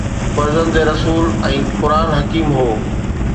فرزند رسول ۽ قرآن حڪيم هو